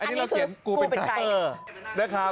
อันนี้เราเขียนกูเป็นใคร